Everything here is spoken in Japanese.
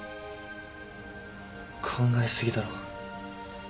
考え過ぎだろ。